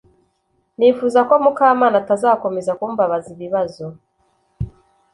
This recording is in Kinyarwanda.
Nifuzaga ko Mukamana atazakomeza kumbabaza ibibazo